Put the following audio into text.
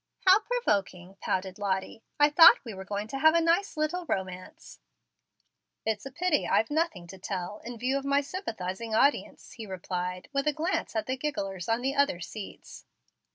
"How provoking!" pouted Lottie. "I thought we were going to have a nice little romance." "It's a pity I've nothing to tell, in view of my sympathizing audience," he replied, with a glance at the gigglers on the other seats.